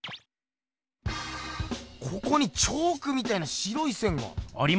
ここにチョークみたいな白い線が。ありますね。